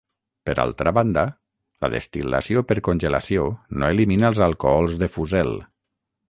Per altra banda, la destil·lació per congelació no elimina els alcohols de fusel.